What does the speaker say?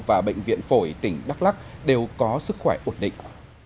và bệnh viện phổi tỉnh đắk lắc đều có sức khỏe ổn định